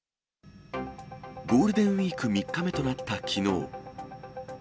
ゴールデンウィーク３日目となったきのう。